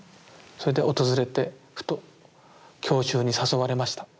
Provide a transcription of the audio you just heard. それで訪れてふと郷愁に誘われました。